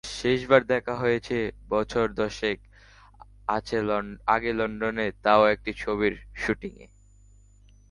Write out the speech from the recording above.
শেষবার দেখা হয়েছে, বছর দশেক আগে লন্ডনে, তাও একটি ছবির শুটিংয়ে।